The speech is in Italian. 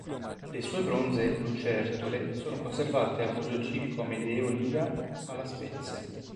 Le sue bronzee "Lucertole" sono conservate al Museo civico Amedeo Lia a La Spezia.